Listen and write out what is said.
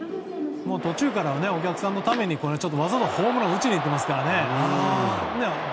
途中からお客さんのためにわざとホームランを打ちにいっていますからね。